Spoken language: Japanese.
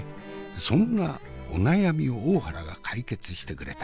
そんなお悩みを大原が解決してくれた。